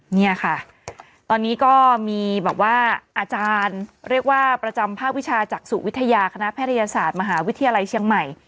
เนี่ยค่ะตอนนี้ก็มีแบบว่าอาจารย์เรียกว่าประจำภาควิชาจากสู่วิทยาคณะแพทยศาสตร์มหาวิทยาลัยเชียงใหม่